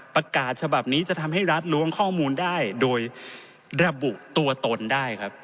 ประกาศฉบับนี้จะทำให้รัฐล้วงข้อมูลได้โดยระบุตัวตนได้ครับ